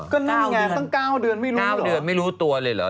ก็นั่งไงตั้ง๙เดือนไม่รู้ตัวเลยหรือ